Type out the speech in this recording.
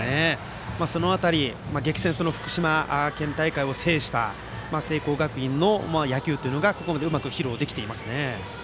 その辺りは激戦の福島県大会を制した聖光学院の野球というのがここまではうまく披露できていますね。